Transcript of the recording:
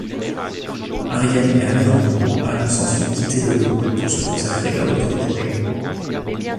Arjen et Alejandro annoncent ensuite quitter le groupe pour se consacrer à d'autres projets.